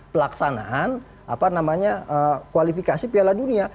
pelaksanaan apa namanya kualifikasi piala dunia